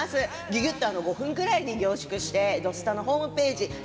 ぎゅぎゅっと５分くらいに凝縮して「土スタ」のホームページ